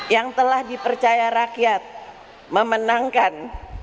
yang telah dipercaya rakyat memenangkan